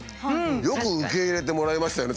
よく受け入れてもらえましたよね